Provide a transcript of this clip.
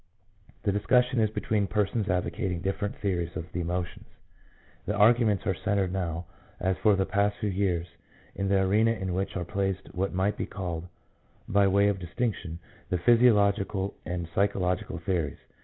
The discussion is between persons advocating different theories of the emotions. The arguments are centred now, as for the past few years, in the arena in which are placed what might be called by way of distinction the physiological and psycho logical theories.